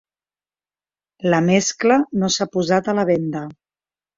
La mescla no s'ha posat a la venda.